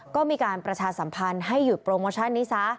ก็มีการประชาสัมพันธ์ให้หยุดโปรโมชั่นนี้ซะ